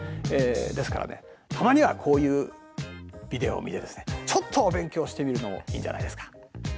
ですからねたまにはこういうビデオを見てですねちょっとお勉強してみるのもいいんじゃないですか。